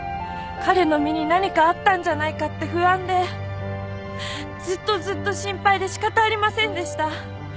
彼の身に何かあったんじゃないかって不安でずっとずっと心配で仕方ありませんでした。